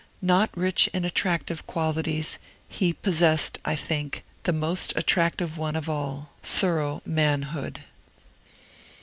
Not rich in attractive qualities, he possessed, I think, the most attractive one of all, thorough manhood.